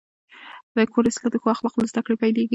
د کور اصلاح د ښو اخلاقو له زده کړې پیلېږي.